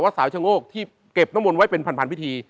สาวชะโงกที่เก็บน้ำมนต์ไว้เป็นพันพิธี